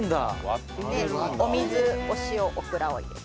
お水お塩オクラを入れる。